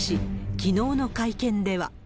きのうの会見では。